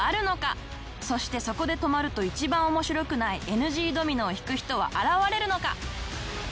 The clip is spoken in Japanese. そしてそこで止まると一番面白くない ＮＧ ドミノを引く人は現れるのか！？